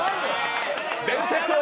伝説を。